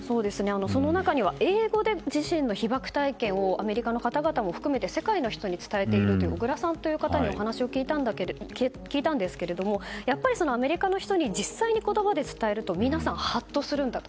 その中には、英語で自身の被爆体験をアメリカの方々も含めて世界の方々に伝えているオグラさんという方にお話を聞いたんですけれどもやっぱりアメリカの人に実際に言葉で伝えると皆さんハッとするんだと。